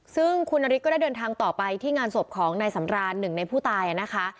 ซึ่งคุณนฤทธิก็ได้เดินทางต่อไปที่งานศพของนายสำรานหนึ่งในผู้ตายนะคะ